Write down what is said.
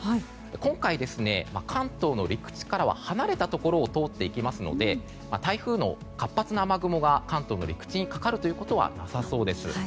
今回、関東の陸地からは離れたところを通っていきますので台風の活発な雨雲が関東の陸地にかかることはなさそうです。